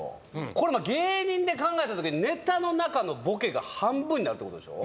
これまあ芸人で考えたときにネタの中のボケが半分になるってことでしょ？